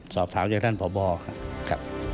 สอบถามจากท่านพบครับ